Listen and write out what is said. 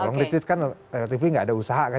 kalau nge retweet kan relatifnya nggak ada usaha kan